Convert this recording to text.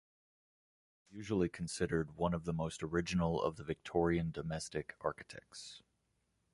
He is usually considered one of the most original of the Victorian domestic architects.